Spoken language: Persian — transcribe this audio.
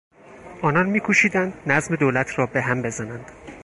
آنان میکوشیدند نظم دولت را به هم بزنند.